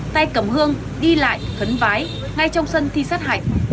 tay cầm hương đi lại khấn bái ngay trong sân thi sát hạch